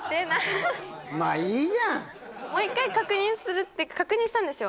まあいいじゃんもう一回確認するって確認したんですよ